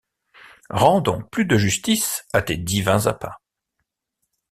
Rends donc plus de justice à tes divins appas!